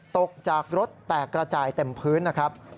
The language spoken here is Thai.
ตกจากรถแตกระจายเต็มพื้นนะครับ